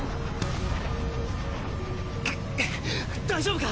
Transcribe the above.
大丈夫か？